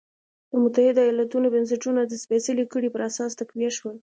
د متحده ایالتونو بنسټونه د سپېڅلې کړۍ پر اساس تقویه شول.